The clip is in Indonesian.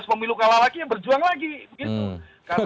dua ribu sembilan belas pemilu kalah lagi ya berjuang lagi begitu